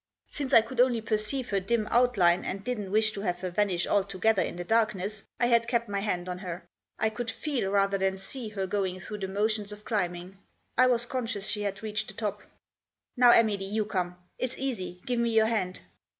Since I could only perceive her dim outline, and didn't wish to have her vanish altogether in the dark ness, I had kept my hand on her. I could feel, rather than see, her going through the motions of climbing. I was conscious she had reached the top. " Now, Emily, you come. It's easy ; give me your hand."